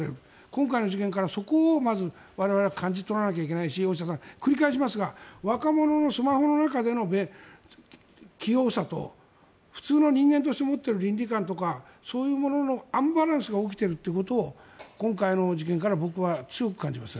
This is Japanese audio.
今回の事件からそこをまず我々は感じ取らないといけないし繰り返しますが若者のスマホの中での器用さと普通の人間として持っている倫理観とのアンバランスが起こっているということを今回の事件から僕は強く感じます。